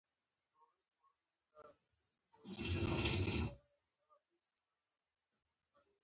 د لغړیانو خدمات په بيه واخلم.